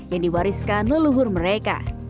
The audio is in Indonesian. yang diwariskan leluhur mereka